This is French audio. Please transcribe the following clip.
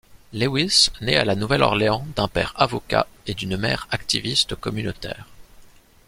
Lewis naît à La Nouvelle-Orléans d'un père avocat et d'une mère activiste communautaire.